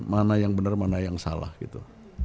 mana yang benar mana yang salah gitu